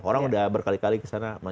orang sudah berkali kali ke sana